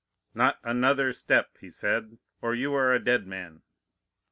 "'Not another step,' he said, 'or you are a dead man.